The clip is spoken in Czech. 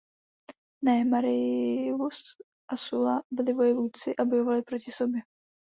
Ne, Marius a Sulla byli vojevůdci a bojovali proti sobě.